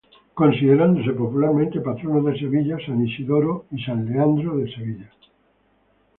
Considerándose popularmente patronos de Sevilla, san Isidoro y san Leandro de Sevilla.